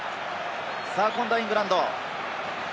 今度はイングランド。